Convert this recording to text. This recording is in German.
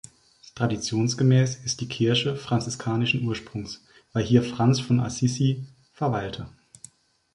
Traditionsgemäß ist die Kirche franziskanischen Ursprungs, weil hier Franz von Assisi verweilte.